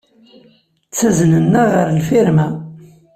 Ttaznen-aɣ ɣer lfirma.